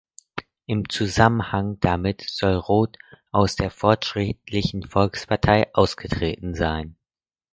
Im Zusammenhang damit soll Roth aus der Fortschrittlichen Volkspartei ausgetreten sein.